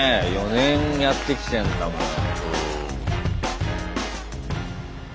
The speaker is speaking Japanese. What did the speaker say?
４年やってきてんだもん。